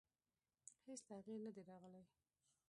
هېڅ تغییر نه دی راغلی.